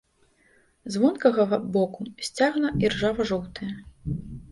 З вонкавага боку сцягна іржава-жоўтыя.